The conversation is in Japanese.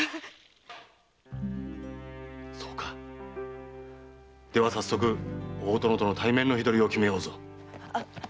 そうかでは早速大殿との対面の日取りを決めようぞ。